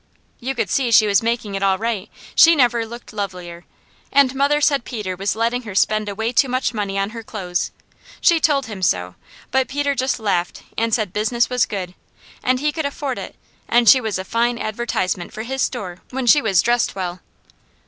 "You could see she was making it all right; she never looked lovelier, and mother said Peter was letting her spend away too much money on her clothes. She told him so, but Peter just laughed and said business was good, and he could afford it, and she was a fine advertisement for his store when she was dressed well."